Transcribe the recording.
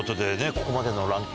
ここまでのランキング